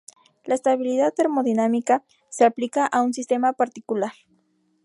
La estabilidad termodinámica se aplica a un sistema particular.